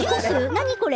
何これ？